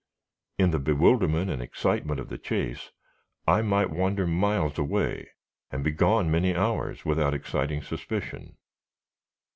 In the bewilderment and excitement of the chase, I might wander miles away, and be gone many hours, without exciting suspicion.